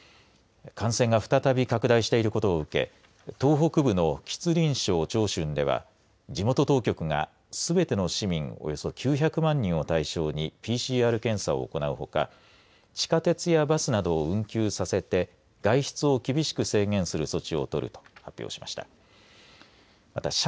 感染が再び拡大してることを受けて東北部の吉林省長春では地元当局がすべての市民およそ９００万人を対象にＰＣＲ検査を行うほか地下鉄やバスなどを運休させて外出を厳しく制限する措置をとると発表しました。